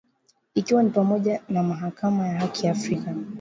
Ikiwa ni pamoja na Mahakama ya Haki ya Afrika